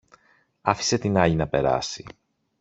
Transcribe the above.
άφησε την άλλη να περάσει